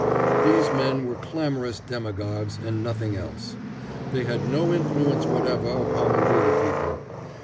These men were clamorous demagogues and nothing else. They had no influence whatever upon the real people.